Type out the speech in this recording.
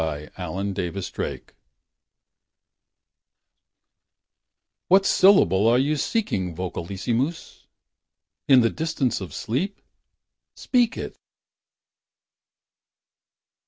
urlappend=%3Bseq=142 What syllable are you seeking, Vocalissimus , In the distances of sleep? Speak it.